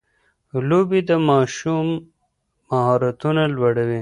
لوبې د ماشوم مهارتونه لوړوي.